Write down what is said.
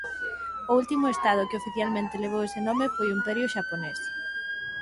O último Estado que oficialmente levou ese nome foi o Imperio Xaponés.